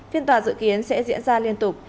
phiên tòa dự kiến sẽ diễn ra liên tục